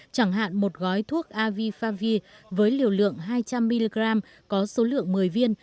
chẳng hạn một gói thuốc avifavi với liều lượng hai trăm linh mg có số lượng một mươi viên